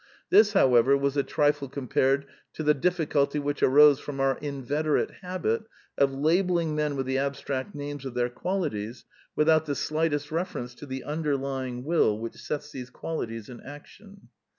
This, however, was a trifle compared to the difficulty which arose from our inveterate habit of labelling men with the abstract names of their qualities without the slightest reference to the underlying will which sets these qualities in action.